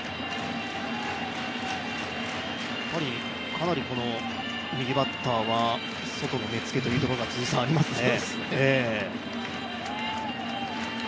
かなり右バッターは外の目つけというところがありますね。